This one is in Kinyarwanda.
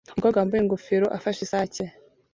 Umukobwa wambaye ingofero afashe isake